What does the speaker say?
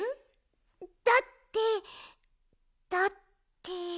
だってだって。